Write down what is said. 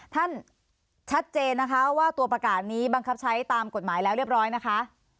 ท่านชัดเจนนะคะว่าตัวประกาศนี้บังคับใช้ตามกฎหมายแล้วเรียบร้อยนะคะ